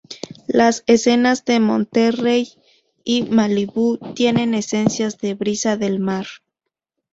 Las escenas de Monterey y Malibú tienen esencias de brisa del mar.